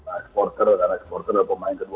ada supporter ada pemain ke dua belas